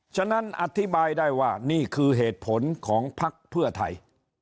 ฉะนั้นอธิบายได้ว่านี่คือเหตุผลของพักเพื่อไทย